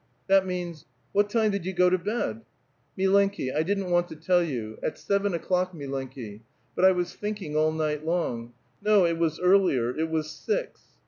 " That means — what time did you go to bed?" ^^ Milenki, I didn't want to tell you ; at seven o'clock, mi lenki; but I was thinking all night long ; no, it was earlier, it was six